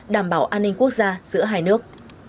đảm bảo an ninh quốc gia giữa hai nước